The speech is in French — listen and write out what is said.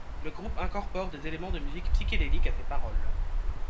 Le groupe incorpore des éléments de musique psychédélique à ses paroles.